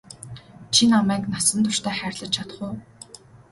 Чи намайг насан туршдаа хайрлаж чадах уу?